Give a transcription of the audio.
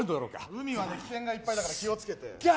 海は危険がいっぱいだから気をつけて。